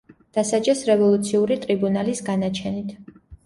დასაჯეს რევოლუციური ტრიბუნალის განაჩენით.